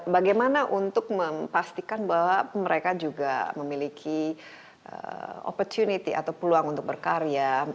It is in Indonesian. bagaimana untuk memastikan bahwa mereka juga memiliki opportunity atau peluang untuk berkarya